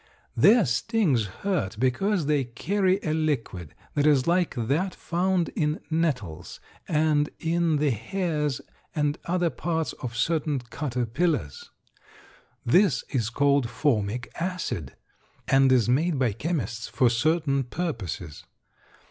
Their stings hurt because they carry a liquid that is like that found in nettles and in the hairs and other parts of certain caterpillars. This is called formic acid, and is made by chemists for certain purposes.